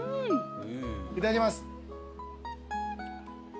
いただきます。